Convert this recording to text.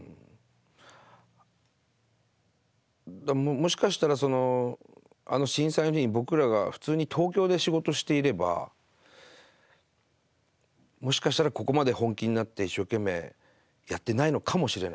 もしかしたら震災の日に僕らが普通に東京で仕事していればもしかしたらここまで本気になって一生懸命やってないのかもしれないですね。